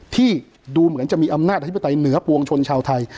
ที่ดูเหมือนจะมีอำนาจอธิปไตยเหนือปวงชนชาวไทย